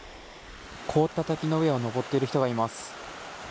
凍った滝の上を登っている人がいます。